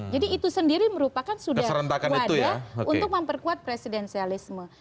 jadi itu sendiri merupakan sudah wadah untuk memperkuat presidensialisme